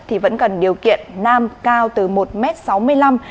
thì vẫn cần điều kiện nam cao từ một m sáu mươi năm